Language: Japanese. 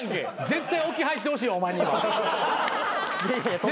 絶対置き配してほしいわお前には。絶対置き配。